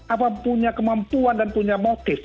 apa punya kemampuan dan punya motif